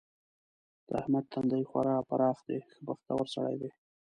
د احمد تندی خورا پراخ دی؛ ښه بختور سړی دی.